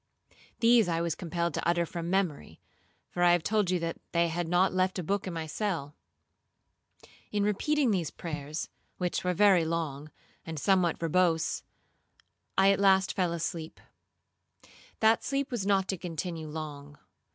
These I was compelled to utter from memory, for I have told you that they had not left a book in my cell. In repeating these prayers, which were very long, and somewhat verbose, I at last fell asleep. That sleep was not to continue long.